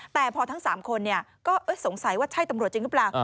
แต่พอทั้ง๓คนก็สงสัยว่าใช่ตำรวจจริงหรือเปล่า